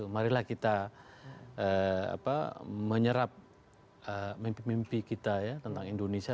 marilah kita menyerap mimpi mimpi kita ya tentang indonesia